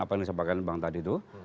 apa yang disampaikan bang tadi itu